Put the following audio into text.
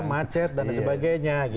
macet dan sebagainya